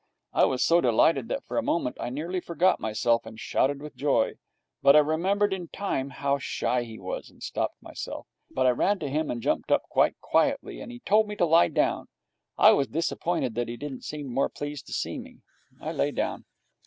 I was so delighted that for a moment I nearly forgot myself and shouted with joy, but I remembered in time how shy he was, and stopped myself. But I ran to him and jumped up quite quietly, and he told me to lie down. I was disappointed that he didn't seem more pleased to see me. I lay down.